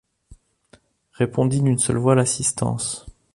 répondit d’une seule voix l’assistance.